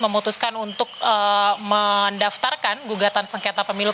memutuskan untuk mendaftarkan gugatan sengketa pemilu